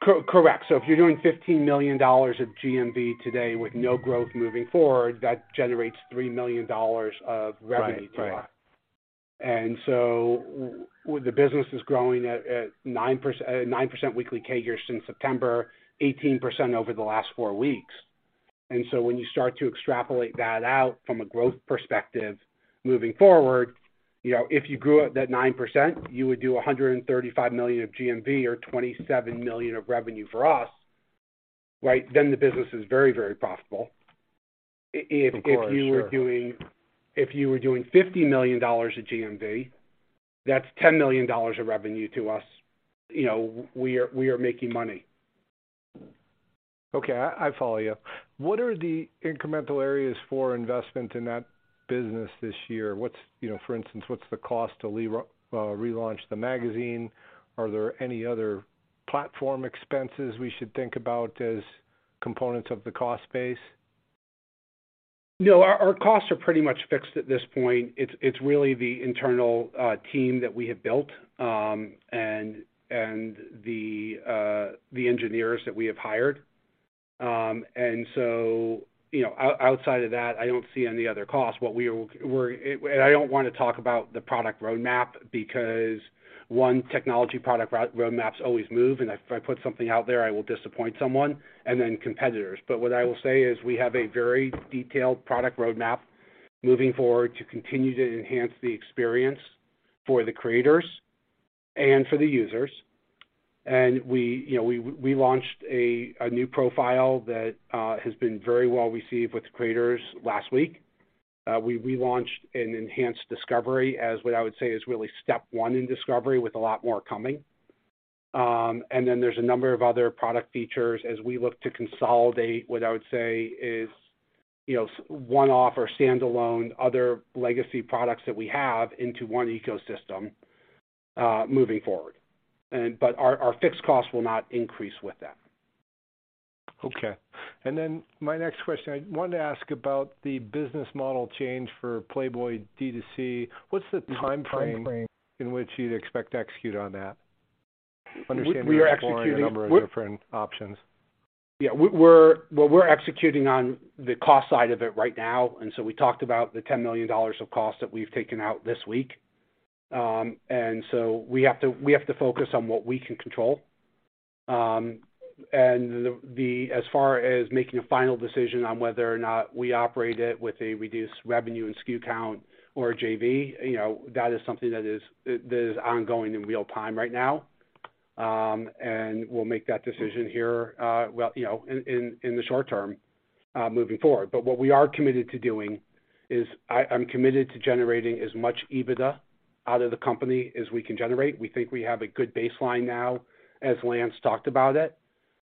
Correct. If you're doing $15 million of GMV today with no growth moving forward, that generates $3 million of revenue to us. So, the business is growing at 9% weekly CAGR since September, 18% over the last four weeks. When you start to extrapolate that out from a growth perspective moving forward, you know, if you grew at that 9%, you would do $135 million of GMV or $27 million of revenue for us, right? The business is very, very profitable. Of course. Sure. If you were doing $50 million of GMV, that's $10 million of revenue to us. You know, we are making money. Okay. I follow you. What are the incremental areas for investment in that business this year? What's, you know, for instance, what's the cost to relaunch the magazine? Are there any other platform expenses we should think about as components of the cost base? No, our costs are pretty much fixed at this point. It's really the internal team that we have built, and the engineers that we have hired. You know, outside of that, I don't see any other costs. I don't wanna talk about the product roadmap because, one, technology product roadmaps always move, and if I put something out there, I will disappoint someone and then competitors. What I will say is we have a very detailed product roadmap moving forward to continue to enhance the experience for the creators and for the users. We, you know, launched a new profile that has been very well received with the creators last week. We relaunched an enhanced discovery as what I would say is really step one in discovery with a lot more coming. Then there's a number of other product features as we look to consolidate what I would say is, you know, one-off or standalone other legacy products that we have into one ecosystem moving forward. Our fixed costs will not increase with that. Okay. My next question, I wanted to ask about the business model change for Playboy D2C. What's the timeframe in which you'd expect to execute on that? Understanding you're exploring a number of different options. Yeah. Well, we're executing on the cost side of it right now. We talked about the $10 million of costs that we've taken out this week. We have to focus on what we can control. As far as making a final decision on whether or not we operate it with a reduced revenue and SKU count or a JV, you know, that is something that is ongoing in real-time right now. We'll make that decision here, well, you know, in the short term, moving forward. What we are committed to doing is I'm committed to generating as much EBITDA out of the company as we can generate. We think we have a good baseline now, as Lance talked about it,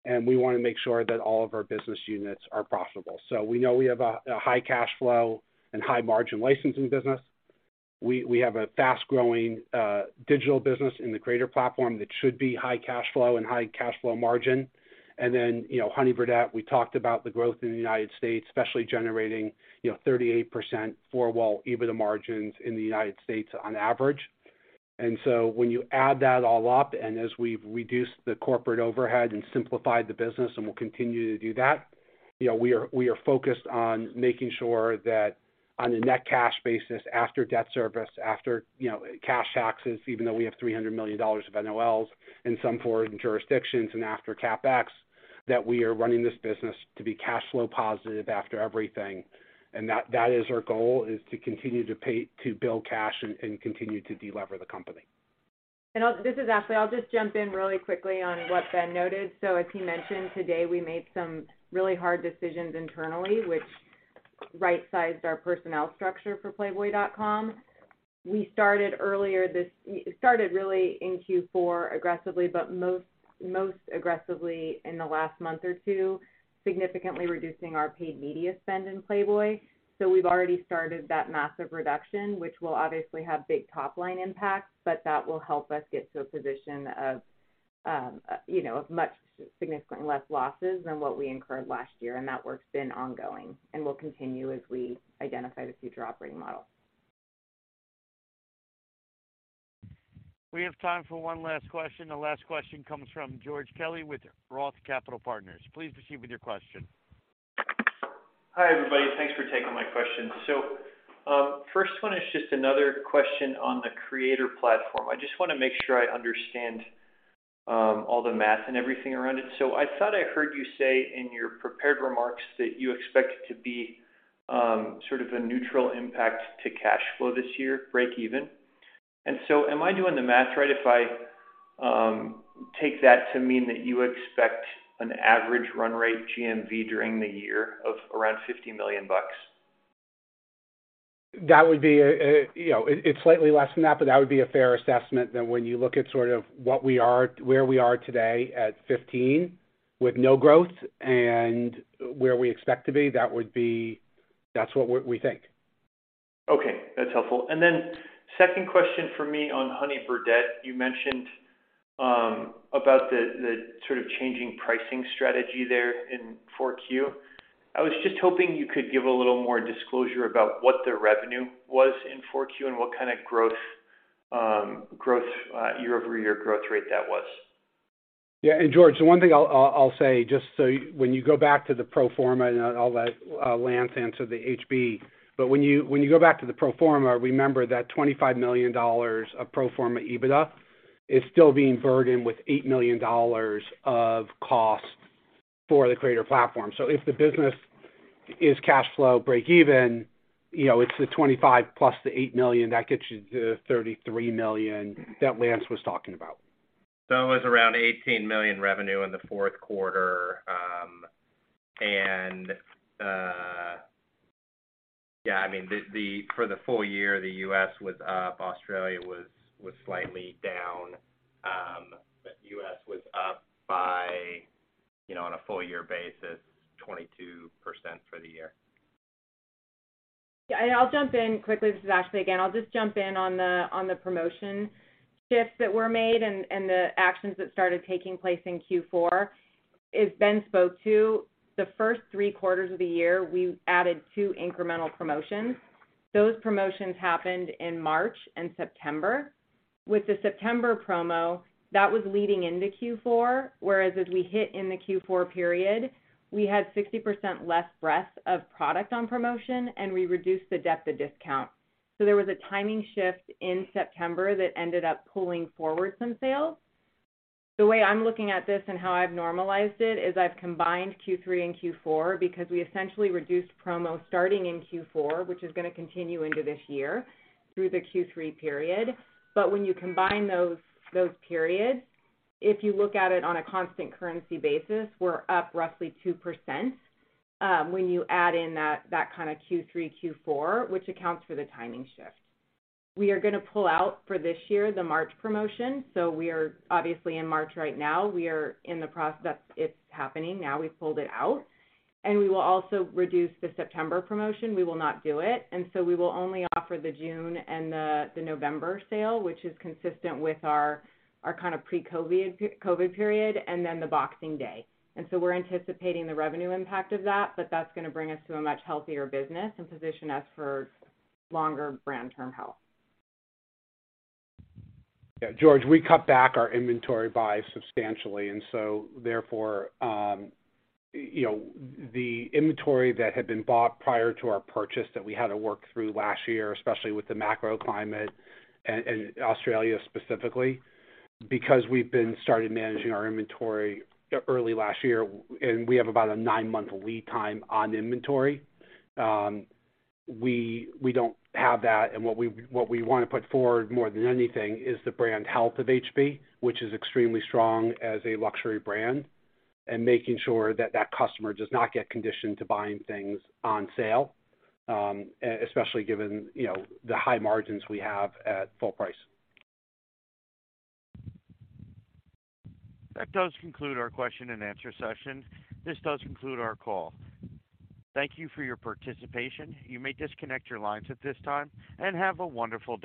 and we wanna make sure that all of our business units are profitable. We know we have a high cash flow and high-margin licensing business. We have a fast-growing digital business in the Creator Platform that should be high cash flow and high cash flow margin. You know, Honey Birdette, we talked about the growth in the United States, especially generating, you know, 38% for a while, EBITDA margins in the United States on average. When you add that all up and as we've reduced the corporate overhead and simplified the business, and we'll continue to do that, we are focused on making sure that on a net cash basis, after debt service, after cash taxes, even though we have $300 million of NOLs in some foreign jurisdictions and after CapEx, that we are running this business to be cash flow positive after everything. That is our goal, is to continue to build cash and continue to delever the company. This is Ashley. I'll just jump in really quickly on what Ben noted. As he mentioned today, we made some really hard decisions internally, which right-sized our personnel structure for playboy.com. It started really in Q4 aggressively, but most aggressively in the last month or two, significantly reducing our paid media spend in Playboy. We've already started that massive reduction, which will obviously have big top-line impact, but that will help us get to a position of, you know, of much significantly less losses than what we incurred last year. That work's been ongoing and will continue as we identify the future operating model. We have time for one last question. The last question comes from George Kelly with Roth Capital Partners. Please proceed with your question. Hi, everybody. Thanks for taking my question. First one is just another question on the Creator Platform. I just wanna make sure I understand all the math and everything around it. I thought I heard you say in your prepared remarks that you expect it to be sort of a neutral impact to cash flow this year, break even. Am I doing the math right if I take that to mean that you expect an average run rate GMV during the year of around $50 million? That would be. You know, it's slightly less than that, but that would be a fair assessment than when you look at sort of what we are where we are today at 15 with no growth and where we expect to be. That's what we think. Okay, that's helpful. Then second question for me on Honey Birdette, you mentioned about the sort of changing pricing strategy there in 4Q. I was just hoping you could give a little more disclosure about what the revenue was in 4Q and what kind of growth year-over-year growth rate that was. Yeah. George, the one thing I'll say, just so when you go back to the pro forma, I'll let Lance answer the HB. When you go back to the pro forma, remember that $25 million of pro forma EBITDA is still being burdened with $8 million of costs for the Creator Platform. If the business is cash flow breakeven, you know, it's the $25 million plus the $8 million, that gets you to $33 million that Lance was talking about. It was around $18 million revenue in the fourth quarter. For the full year, the U.S. was up, Australia was slightly down. U.S. was up by on a full year basis, 22% for the year. Yeah. I'll jump in quickly. This is Ashley again. I'll just jump in on the promotion shifts that were made and the actions that started taking place in Q4. As Ben spoke to, the first three quarters of the year, we added two incremental promotions. Those promotions happened in March and September. With the September promo, that was leading into Q4, whereas as we hit in the Q4 period, we had 60% less breadth of product on promotion, and we reduced the depth of discount. There was a timing shift in September that ended up pulling forward some sales. The way I'm looking at this and how I've normalized it is I've combined Q3 and Q4 because we essentially reduced promos starting in Q4, which is gonna continue into this year through the Q3 period. When you combine those periods, if you look at it on a constant currency basis, we're up roughly 2%, when you add in that kind of Q3, Q4, which accounts for the timing shift. We are gonna pull out for this year the March promotion, so we are obviously in March right now. We are in the process. It's happening now. We've pulled it out. We will also reduce the September promotion. We will not do it. We will only offer the June and the November sale, which is consistent with our kind of pre-COVID, COVID period, and then the Boxing Day. We're anticipating the revenue impact of that, but that's gonna bring us to a much healthier business and position us for longer brand term health. George, we cut back our inventory buy substantially, therefore, you know, the inventory that had been bought prior to our purchase that we had to work through last year, especially with the macro climate and Australia specifically. We've been started managing our inventory early last year, and we have about a nine month lead time on inventory, we don't have that. What we wanna put forward more than anything is the brand health of HB, which is extremely strong as a luxury brand, and making sure that that customer does not get conditioned to buying things on sale, especially given, you know, the high margins we have at full price. That does conclude our question and answer session. This does conclude our call. Thank you for your participation. You may disconnect your lines at this time, and have a wonderful day.